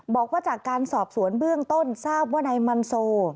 บอกว่าจากการสอบสวนเบื้องต้นทราบว่านายมันโซ